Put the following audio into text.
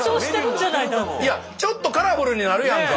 赤はちょっとカラフルになるやんか。